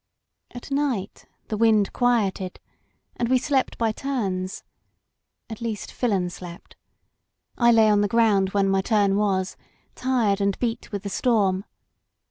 At night the wind quieted, and we slept by turns ; at least Filon slept. I lay on the ground when my ttim was and beat with the storm.